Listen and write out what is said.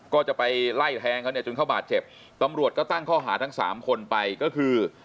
ก็จะไปไล่แทงเขาเนี่ยจนเขาบาดเจ็บตำรวจก็ตั้งข้อหาทั้งสามคนไปก็คือ